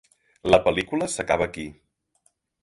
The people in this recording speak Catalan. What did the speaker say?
La pel·lícula s'acaba aquí.